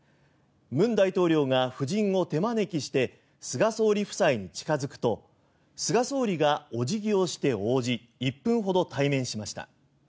文大統領が夫人を手招きして菅総理夫妻に近付くと菅総理がお辞儀をして応じ１分ほど対面しました。